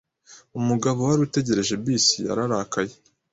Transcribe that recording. Umugabo wari utegereje bisi yararakaye.